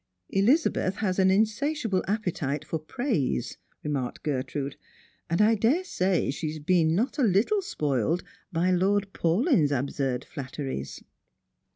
" Elizabeth has an insatiable appetite for praise," remarked Gertrude; "and I daresay she has been not a little spoiled by Lord Paulyn's absurd flatteries."